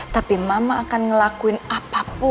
tapi mama akan melakuin apapun untuk menuju itu